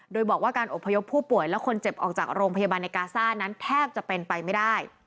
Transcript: โดยบอกว่าการอบพยพผู้ป่วยและคนเจ็บออกจากโรงพยาบาลในกาซ่านั้นแทบจะเป็นไปไม่ได้